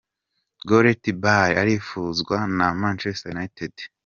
Gareth Bale arifuzwa na Manchester United.